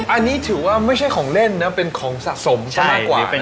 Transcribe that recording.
อันนี้ถือว่าไม่ใช่ของเล่นนะเป็นของสะสมซะมากกว่า